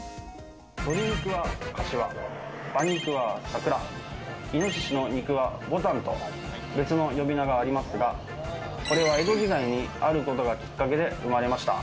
とり肉はかしわ、馬肉はさくら、イノシシの肉はぼたんと、別の呼び名がありますが、これは江戸時代に、あることがきっかけで生まれました。